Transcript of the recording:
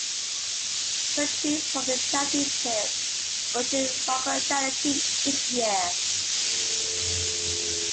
Proceeds from the championship go to a local charity each year.